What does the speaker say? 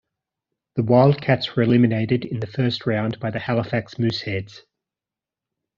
The Wildcats were eliminated in the first round by the Halifax Mooseheads.